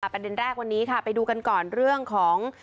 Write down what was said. ประเด็นแรกวันนี้ค่ะไปดูกันก่อนเรื่องของ